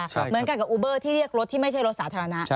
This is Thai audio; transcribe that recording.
เหมือนกับกับอูเบอร์ที่เรียกรถที่ไม่ใช่รถสาธารณะ